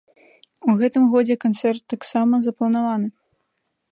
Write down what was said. У гэтым годзе канцэрт таксама запланаваны.